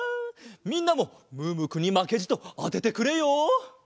みんなもムームーくんにまけじとあててくれよ。